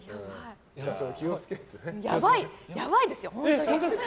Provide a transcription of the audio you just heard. やばいですよ、本当に。